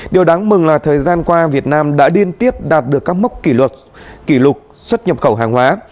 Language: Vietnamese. điều đáng mừng là thời gian qua việt nam đã liên tiếp đạt được các mốc kỷ lục kỷ lục xuất nhập khẩu hàng hóa